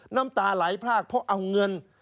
น้ำตาไหลพลากเพราะเอาเงิน